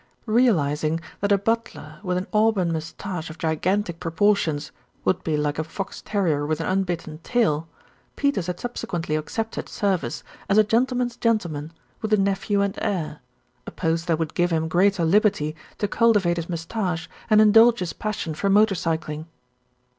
Realising that a butler with an auburn moustache of gigantic proportions would be like a fox terrier with an unbitten tail, Peters had subsequently accepted service as a gentleman's gentleman with the nephew and heir, a post that would give him greatar liberty to cultivate his moustache and indulge his passion for motor cycling.